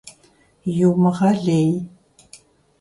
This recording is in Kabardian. Иумыгъэлей!